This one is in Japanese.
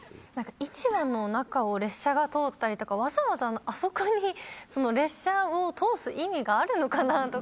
市場の中を列車が通ったりとかわざわざあそこに列車を通す意味があるのかなとか。